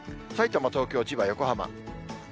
さいたま、東京、千葉、横浜。